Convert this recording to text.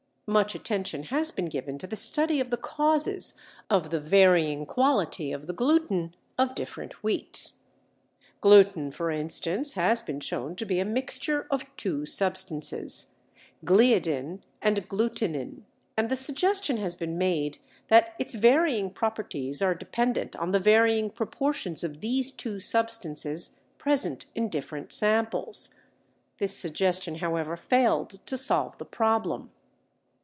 Much attention has been given to the study of the causes of the varying quality of the gluten of different wheats. Gluten for instance has been shown to be a mixture of two substances, gliadin and glutenin, and the suggestion has been made that its varying properties are dependent on the varying proportions of these two substances present in different samples. This suggestion however failed to solve the problem.